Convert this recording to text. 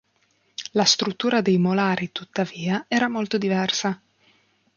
La struttura dei molari, tuttavia, era molto diversa.